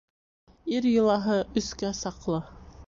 Ир йолаһы өскә саҡлы.